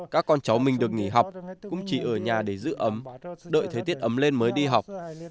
các con cháu mình được nghỉ học cũng chỉ ở nhà để giữ ấm đợi thời tiết ấm lên mới đi học